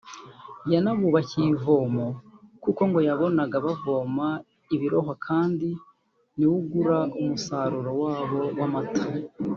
yanabubakiye ivomo kuko ngo yabonaga bavoma ibirohwa kandi ni we ugura umusaruro wabo w’amata